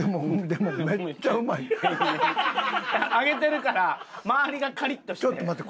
でも揚げてるから周りがカリッとして。